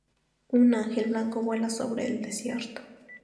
Un ángel blanco vuela sobre el desierto.